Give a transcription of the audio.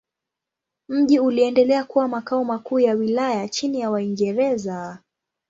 Mji uliendelea kuwa makao makuu ya wilaya chini ya Waingereza.